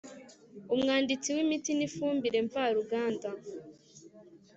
Umwanditsi w imiti n ifumbire mvaruganda